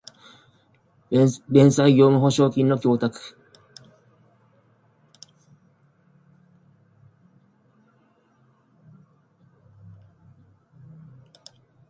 弁済業務保証金の供託